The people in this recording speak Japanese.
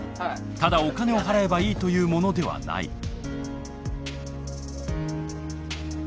ただお金を払えばいいというものではない。